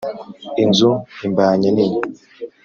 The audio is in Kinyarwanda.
Inzu imbanye nini